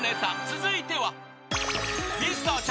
続いては］